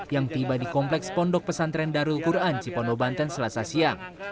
yang tiba di kompleks pondok pesantren darul quran cipono banten selasa siang